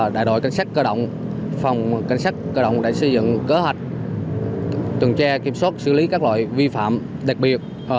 đại đội cảnh sát cơ động phòng cảnh sát cơ động đã xây dựng kế hoạch tuần tra kiểm soát xử lý các loại vi phạm đặc biệt